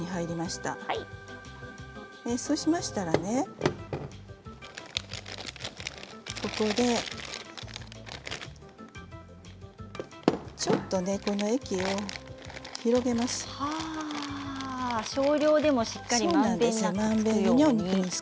そうしましたらここでちょっとこの液を広げます。